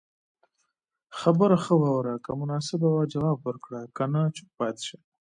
خبره خه واوره که مناسبه وه جواب ورکړه که نه چوپ پاتي شته